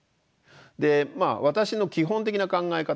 で私の基本的な考え方